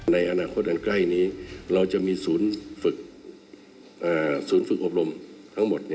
ในอนาคตกันใกล้นี้เราจะมีศูนย์ฝึกอบรมทั้งหมด